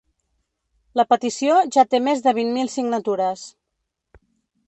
La petició ja té més de vint mil signatures.